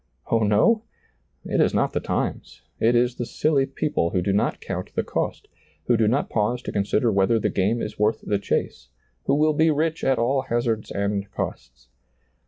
Oh, no ! it is not the times ; it is the silly people who do not count the cost, who do not pause to con sider whether the game is worth the chase, who will be rich at all hazards and costs.